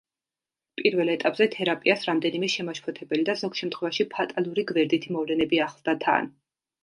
პირველ ეტაპზე თერაპიას რამდენიმე შემაშფოთებელი და ზოგ შემთხვევაში, ფატალური გვერდითი მოვლენები ახლდა თან.